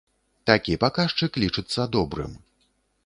Такі паказчык лічыцца добрым.